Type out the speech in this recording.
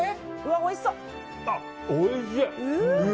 おいしい！